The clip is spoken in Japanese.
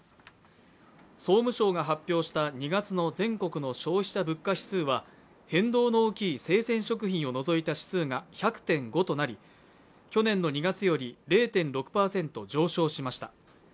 総務省が発表した２月の全国の消費者物価指数は変動の大きい生鮮食品を除いた指数が１００．５となり去年の２月より０．６％上昇しました。